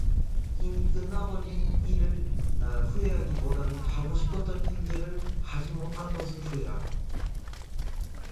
이미 끝나버린 일을 후회하기 보다는 하고 싶었던 일들을 하지못한 것을 후회하라.